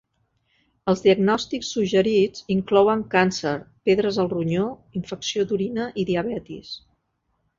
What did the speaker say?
Els diagnòstics suggerits inclouen càncer, pedres al ronyó, infecció d'orina i diabetis.